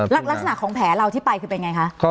ลักษณะของแผลเราที่ไปคือเป็นไงคะ